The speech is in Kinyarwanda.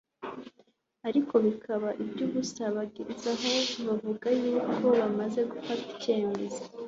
ariko bikaba iby'ubusa. Bageza aho bavuga yuko bamaze gufata icyemezo